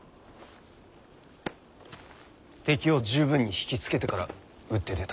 敵を十分に引き付けてから打って出たまで。